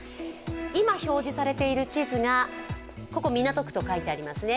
今表示されている地図がここ、港区と表示されていますね。